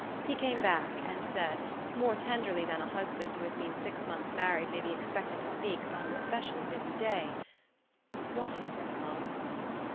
He came back, and said, more tenderly than a husband who has been six months' married may be expected to speak upon an especially busy day, "What is it, love?"